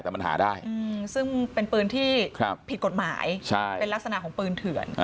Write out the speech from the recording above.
แต่มันหาได้ซึ่งเป็นปืนที่ผิดกฎหมายเป็นลักษณะของปืนเถื่อน